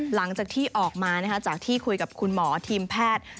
หลังจากที่ออกมาจากที่คุยกับคุณหมอทีมแพทย์